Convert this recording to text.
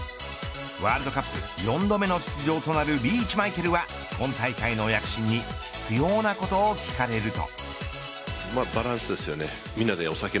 ワールドカップ４度目の出場となるリーチ・マイケルは今大会の躍進に必要なことを聞かれると。